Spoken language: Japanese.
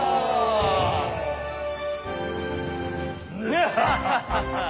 ヌハハハハ！